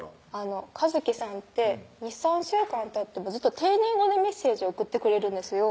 一希さんって２３週間たってもずっと丁寧語でメッセージを送ってくれるんですよ